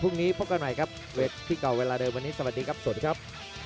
พรุ่งนี้พบกันใหม่ครับเวทีเก่าเวลาเดิมวันนี้สวัสดีครับสวัสดีครับ